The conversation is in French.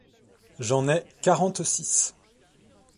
J’en ai quarante-six.